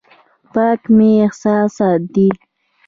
پاک مې احساسات دي.